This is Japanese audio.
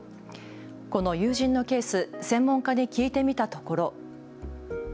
この友人のケース、専門家に聞いてみたところ。